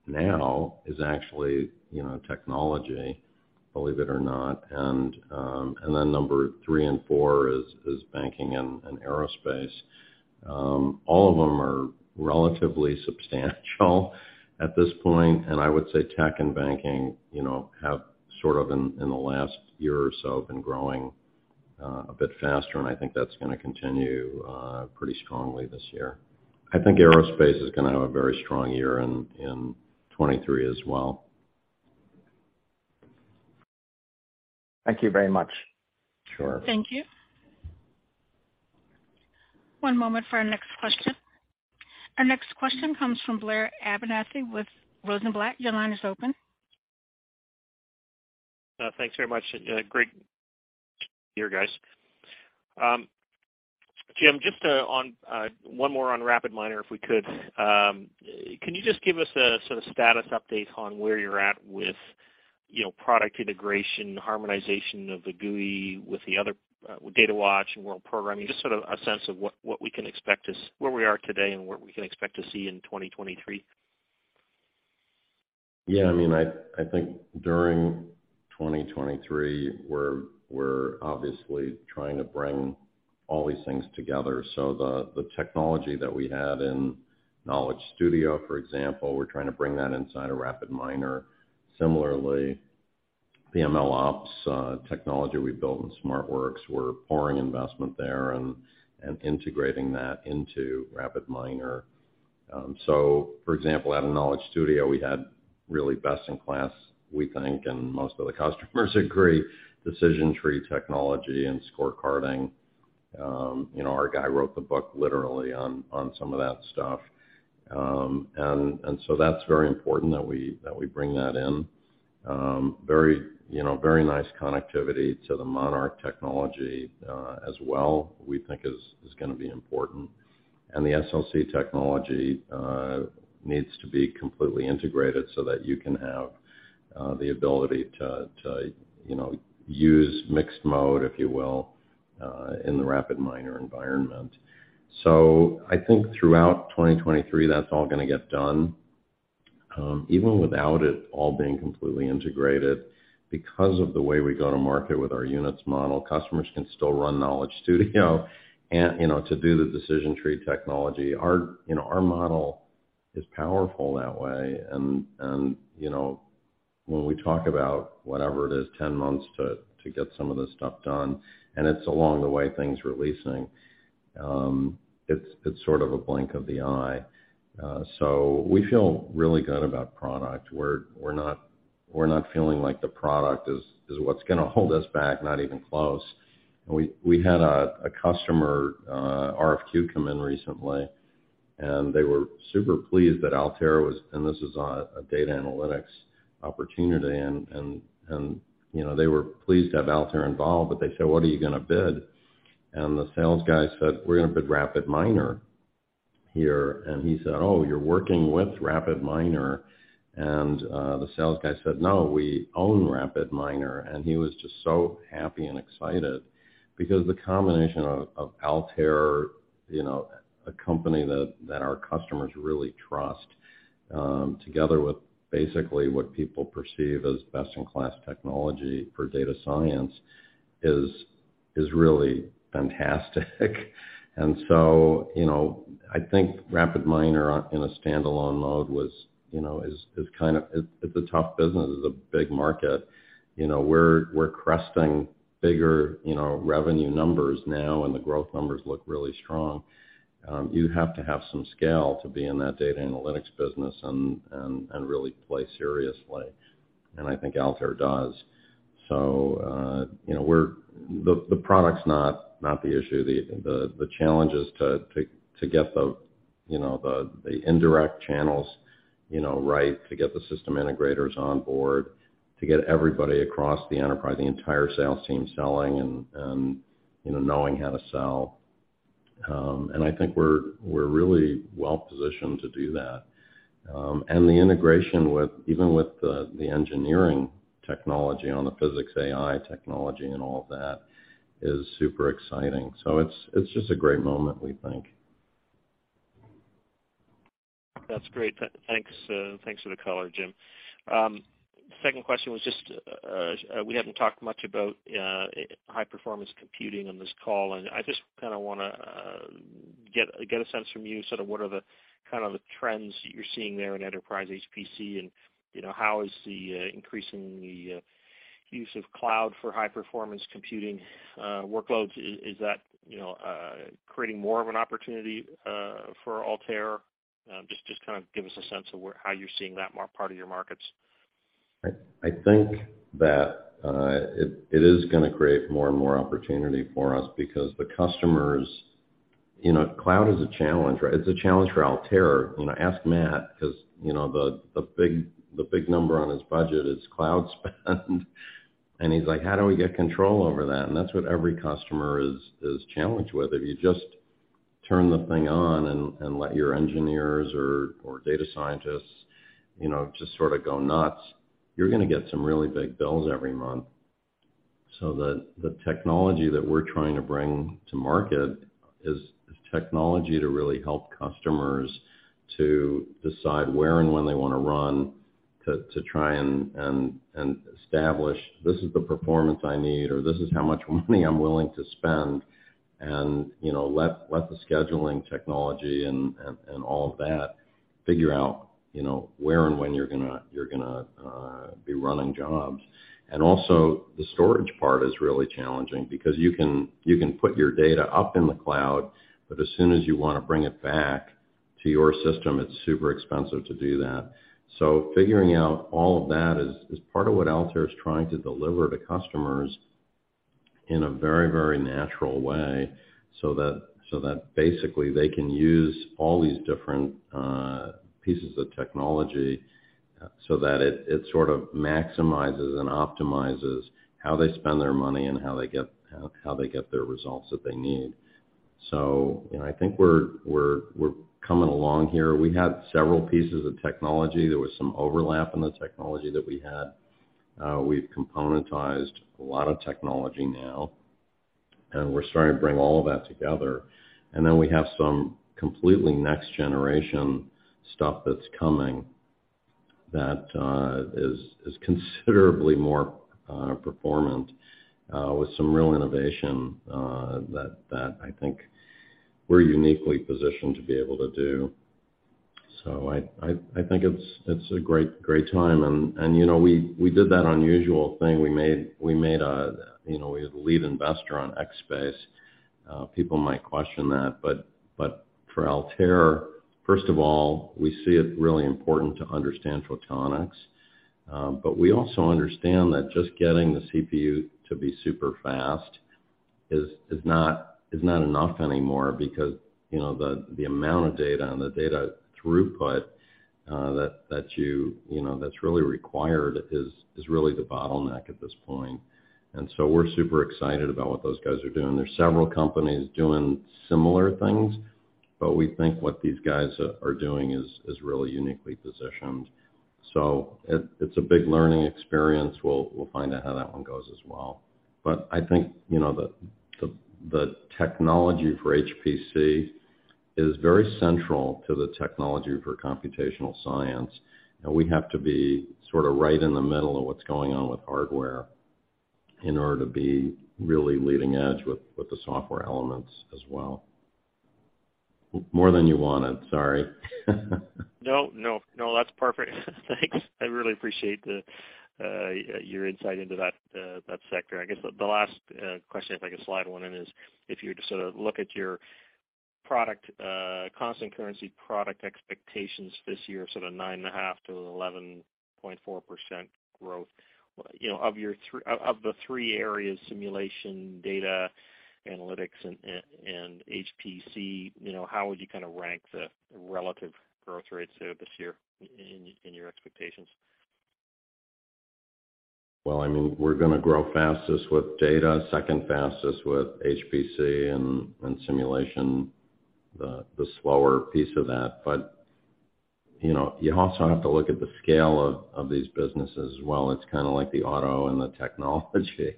Speaker 2: now is actually, you know, technology, believe it or not. Number 3 and 4 is banking and aerospace. All of them are relatively substantial at this point. I would say tech and banking, you know, have sort of in the last year or so been growing a bit faster, and I think that's gonna continue pretty strongly this year. I think aerospace is gonna have a very strong year in 2023 as well.
Speaker 9: Thank you very much.
Speaker 2: Sure.
Speaker 4: Thank you. One moment for our next question. Our next question comes from Blair Abernethy with Rosenblatt. Your line is open.
Speaker 10: Thanks very much. Great year, guys. Jim, just on one more on RapidMiner, if we could. Can you just give us a sort of status update on where you're at with, you know, product integration, harmonization of the GUI with the other Datawatch and World Programming, just sort of a sense of what we can expect to where we are today and what we can expect to see in 2023?
Speaker 2: I mean, I think during 2023, we're obviously trying to bring all these things together. The technology that we had in Knowledge Studio, for example, we're trying to bring that inside of RapidMiner. Similarly, MLOps technology we built in SmartWorks, we're pouring investment there and integrating that into RapidMiner. For example, out of Knowledge Studio, we had really best in class, we think, and most of the customers agree, decision tree technology and scorecarding. You know, our guy wrote the book literally on some of that stuff. That's very important that we bring that in. Very, you know, very nice connectivity to the Monarch technology as well, we think is gonna be important. The SLC technology needs to be completely integrated so that you can have the ability to, you know, use mixed mode, if you will, in the RapidMiner environment. I think throughout 2023, that's all gonna get done. Even without it all being completely integrated, because of the way we go to market with our Units model, customers can still run Knowledge Studio and, you know, to do the decision tree technology. Our, you know, our model is powerful that way. You know, when we talk about whatever it is, 10 months to get some of this stuff done, and it's along the way things releasing, it's sort of a blink of the eye. We feel really good about product. We're not feeling like the product is what's gonna hold us back, not even close. We had a customer RFQ come in recently, they were super pleased that Altair was. This is a data analytics opportunity and, you know, they were pleased to have Altair involved, but they said, "What are you gonna bid?" The sales guy said, "We're gonna bid RapidMiner here." He said, "Oh, you're working with RapidMiner?" The sales guy said, "No, we own RapidMiner." He was just so happy and excited because the combination of Altair, you know, a company that our customers really trust, together with basically what people perceive as best-in-class technology for data science is really fantastic. You know, I think RapidMiner in a standalone mode was, you know, is kind of, it's a tough business. It's a big market. You know, we're cresting bigger, you know, revenue numbers now, and the growth numbers look really strong. You have to have some scale to be in that data analytics business and really play seriously, and I think Altair does. You know, we're, the product's not the issue. The challenge is to get the, you know, the indirect channels, you know, right, to get the system integrators on board, to get everybody across the enterprise, the entire sales team selling and, you know, knowing how to sell. And I think we're really well positioned to do that. The integration with the engineering technology on the physics AI technology and all of that is super exciting. It's just a great moment, we think.
Speaker 10: That's great. Thanks, thanks for the color, Jim. Second question was just we haven't talked much about high performance computing on this call, and I just kind of wanna get a sense from you sort of what are the kind of the trends you're seeing there in enterprise HPC and, you know, how is the increasing the use of cloud for high performance computing workloads. Is that, you know, creating more of an opportunity for Altair? Just kind of give us a sense of how you're seeing that part of your markets.
Speaker 2: I think that it is gonna create more and more opportunity for us because the customers. You know, cloud is a challenge, right? It's a challenge for Altair. You know, ask Matt, 'cause, you know, the big number on his budget is cloud spend. He's like, "How do we get control over that?" That's what every customer is challenged with. If you just turn the thing on and let your engineers or data scientists, you know, just sort of go nuts, you're gonna get some really big bills every month. The technology that we're trying to bring to market is technology to really help customers to decide where and when they wanna run to try and establish this is the performance I need or this is how much money I'm willing to spend. You know, let the scheduling technology and all of that figure out, you know, where and when you're gonna be running jobs. Also, the storage part is really challenging because you can put your data up in the cloud, but as soon as you wanna bring it back to your system, it's super expensive to do that. Figuring out all of that is part of what Altair is trying to deliver to customers in a very natural way so that basically they can use all these different pieces of technology so that it sort of maximizes and optimizes how they spend their money and how they get, how they get their results that they need. You know, I think we're coming along here. We have several pieces of technology. There was some overlap in the technology that we had. We've componentized a lot of technology now, and we're starting to bring all of that together. We have some completely next generation stuff that's coming that is considerably more performant with some real innovation that I think we're uniquely positioned to be able to do. I think it's a great time. You know, we did that unusual thing. We made a, you know, we had the lead investor on Xscape. People might question that, but for Altair, first of all, we see it really important to understand photonics. We also understand that just getting the CPU to be super fast is not enough anymore because, you know, the amount of data and the data throughput that you know, that's really required is really the bottleneck at this point. We're super excited about what those guys are doing. There's several companies doing similar things. We think what these guys are doing is really uniquely positioned. It's a big learning experience. We'll find out how that one goes as well. I think, you know, the technology for HPC is very central to the technology for computational science, and we have to be sort of right in the middle of what's going on with hardware in order to be really leading edge with the software elements as well. More than you wanted, sorry.
Speaker 10: No, no, that's perfect. Thanks. I really appreciate the your insight into that that sector. I guess the last question, if I could slide one in, is if you just sort of look at your product constant currency product expectations this year, sort of 9.5%-11.4% growth. You know, of your Of the three areas, simulation, data analytics, and HPC, you know, how would you kind of rank the relative growth rates there this year in your expectations?
Speaker 2: Well, I mean, we're gonna grow fastest with data, second fastest with HPC, and simulation, the slower piece of that. You know, you also have to look at the scale of these businesses as well. It's kind of like the auto and the technology.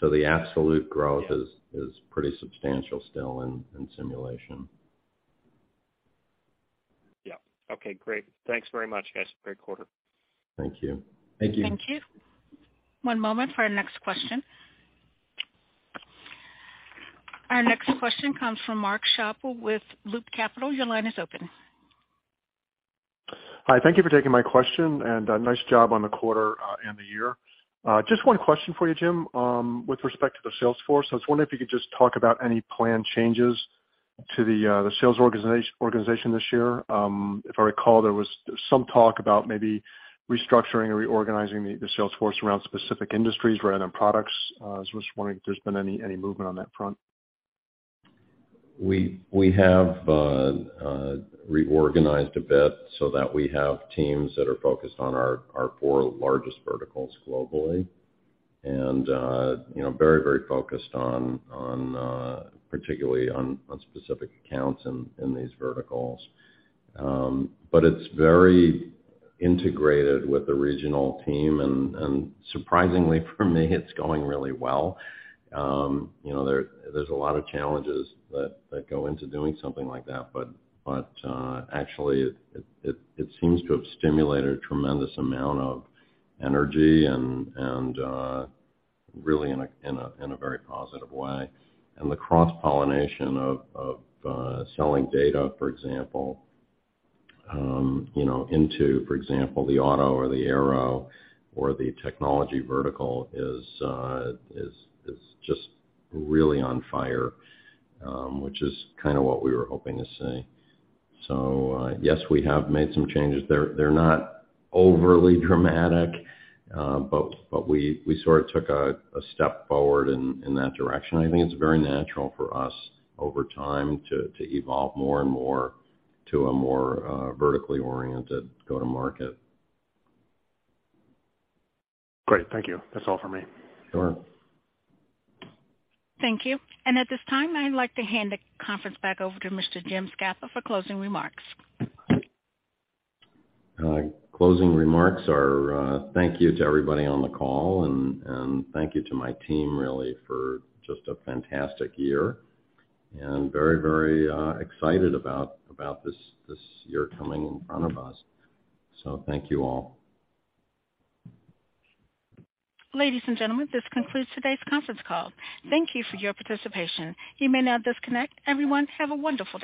Speaker 2: The absolute growth-
Speaker 10: Yeah.
Speaker 2: is pretty substantial still in simulation.
Speaker 10: Yeah. Okay, great. Thanks very much, guys. Great quarter.
Speaker 2: Thank you.
Speaker 11: Thank you.
Speaker 4: Thank you. One moment for our next question. Our next question comes from Mark Schappel with Loop Capital. Your line is open.
Speaker 11: Hi. Thank you for taking my question, and nice job on the quarter and the year. Just one question for you, Jim. With respect to the sales force, I was wondering if you could just talk about any planned changes to the sales organization this year. If I recall, there was some talk about maybe restructuring or reorganizing the sales force around specific industries rather than products. I was just wondering if there's been any movement on that front.
Speaker 2: We have reorganized a bit so that we have teams that are focused on our four largest verticals globally. You know, very focused on particularly on specific accounts in these verticals. It's very integrated with the regional team and surprisingly for me, it's going really well. You know, there's a lot of challenges that go into doing something like that, but actually, it seems to have stimulated a tremendous amount of energy and really in a very positive way. The cross-pollination of selling data, for example, you know, into, for example, the auto or the aero or the technology vertical is just really on fire, which is kind of what we were hoping to see. Yes, we have made some changes. They're not overly dramatic, but we sort of took a step forward in that direction. I think it's very natural for us over time to evolve more and more to a more vertically oriented go-to-market.
Speaker 11: Great. Thank you. That's all for me.
Speaker 2: Sure.
Speaker 4: Thank you. At this time, I'd like to hand the conference back over to Mr. Jim Scapa for closing remarks.
Speaker 2: Closing remarks are, thank you to everybody on the call, and thank you to my team really for just a fantastic year, and very excited about this year coming in front of us. Thank you all.
Speaker 4: Ladies and gentlemen, this concludes today's conference call. Thank you for your participation. You may now disconnect. Everyone, have a wonderful day.